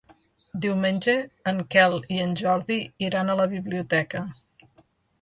Diumenge en Quel i en Jordi iran a la biblioteca.